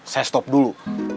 saya stop dulu